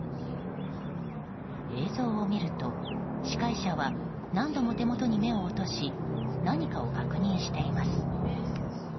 映像を見ると、司会者は何度も手元に目を落とし何かを確認しています。